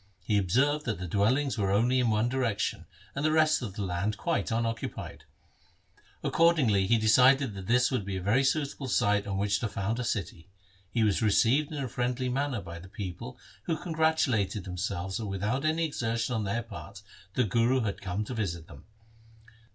He observed that the dwellings were only in one direction, and the rest of the land quite unoccupied. Accordingly he decided that this would be a very suitable site whereon to found a city. He was received in a friendly manner by the people, who congratulated themselves that without any exertion on their part the Guru had come to visit them.